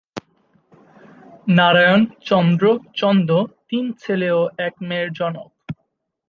নারায়ন চন্দ্র চন্দ তিন ছেলে ও এক মেয়ের জনক।